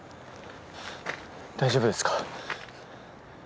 大丈夫ですか？